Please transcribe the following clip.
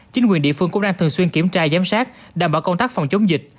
chính quyền địa phương cũng đang thường xuyên kiểm tra giám sát đảm bảo công tác phòng chống dịch